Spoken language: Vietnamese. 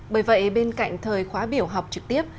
bởi vậy bên cạnh thời khóa biểu học trực tiếp